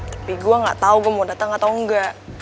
tapi gue gak tau gue mau datang atau enggak